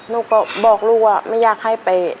ลูกก็บอกลูกว่าไม่อยากให้ไป